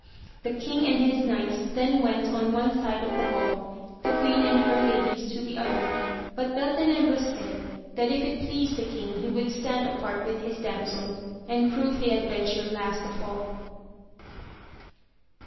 The king and his knights then went on one side of the hall, the queen and her ladies to the other ; but Beltenebros said, that if it pleased the king he would stand apart with his damsel, and prove the adventure last of aJl.